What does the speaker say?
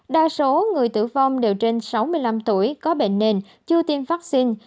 đa số người tử vong đều trên sáu mươi năm tuổi có bệnh nền chưa tiêm vaccine